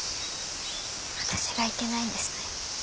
私がいけないんですね。